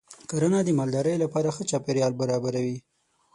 کرنه د مالدارۍ لپاره ښه چاپېریال برابروي.